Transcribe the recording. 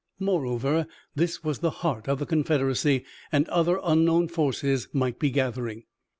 Moreover, this was the heart of the Confederacy and other unknown forces might be gathering.